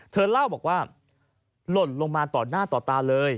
เธอเล่าบอกว่าหล่นลงมาต่อหน้าต่อตาเลย